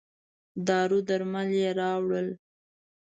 دارو درمل یې راووړل.